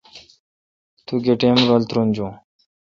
توگہ ٹیم رل ترونجون؟